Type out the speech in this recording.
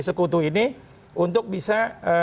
sekutu ini untuk bisa